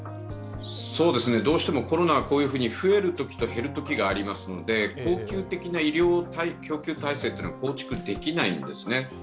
どうしてもコロナがこのように増えるときと減るときがありますので恒久的な医療供給体制というのは構築できないんですね。